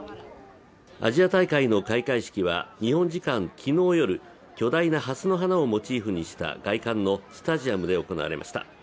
アジア大会の開会式は日本時間、昨日夜巨大なはすの花をモチーフにした外観のスタジアムで行われました。